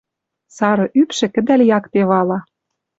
Сары ӱпшы кӹдӓл якте вала